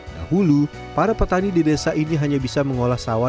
dahulu para petani di desa ini hanya bisa mengolah sawah